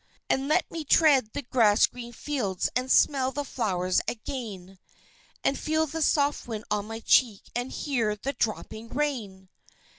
"And let me tread the grass green fields and smell the flowers again, And feel the soft wind on my cheek and hear the dropping rain!